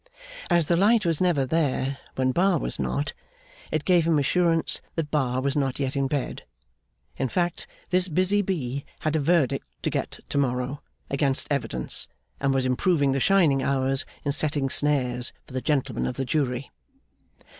As the light was never there when Bar was not, it gave him assurance that Bar was not yet in bed. In fact, this busy bee had a verdict to get to morrow, against evidence, and was improving the shining hours in setting snares for the gentlemen of the jury.